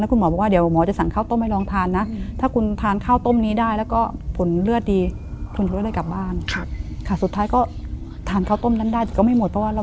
แล้วก็ผลเลือดปกติ